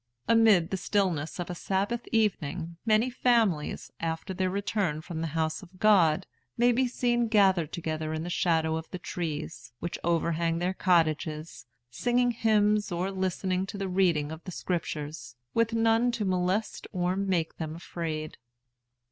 Amid the stillness of a Sabbath evening, many families, after their return from the house of God, may be seen gathered together in the shadow of the trees, which overhang their cottages, singing hymns, or listening to the reading of the Scriptures, with none to molest or make them afraid."